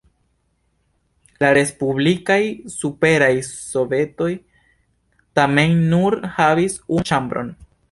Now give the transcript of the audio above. La respublikaj Superaj Sovetoj tamen nur havis unu ĉambron.